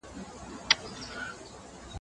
تباه كړي مي څو شلي كندوگان دي